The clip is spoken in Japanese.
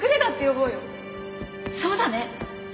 そうだね。